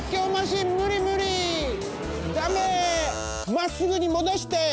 まっすぐにもどして！